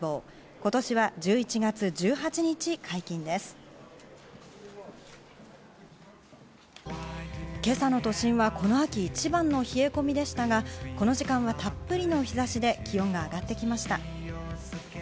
今朝の都心はこの秋一番の冷え込みでしたが、この時間はたっぷりの日差しで気温が上がってきました。